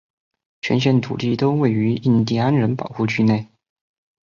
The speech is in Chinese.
全县土地都位于印地安人保护区内。